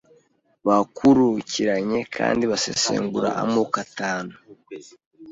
Bakurukiranye kandi basesengura amoko atanu